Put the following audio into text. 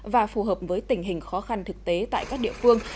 và phù hợp với tình hình khó khăn thực tế tại các địa phương